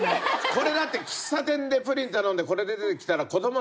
これだって喫茶店でプリン頼んでこれで出てきたら子供泣くよ？